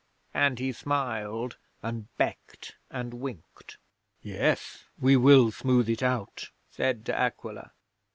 And he smiled and becked and winked. '"Yes, we will smooth it out," said De Aquila.